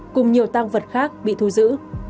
cùng nhiều tăng vật khác bị thu giữ